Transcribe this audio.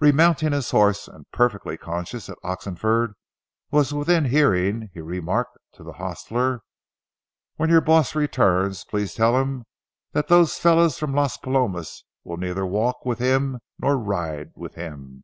Remounting his horse, and perfectly conscious that Oxenford was within hearing, he remarked to the hostler: "When your boss returns, please tell him that those fellows from Las Palomas will neither walk with him nor ride with him.